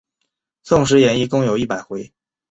宋史演义共有一百回。